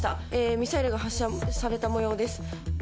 ミサイルが発射されたもようです。